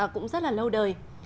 cũng rất là lâu đời